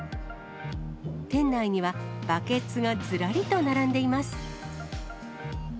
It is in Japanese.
店内には、バケツがずらりと並んでいます。